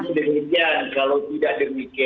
ini demikian kalau tidak demikian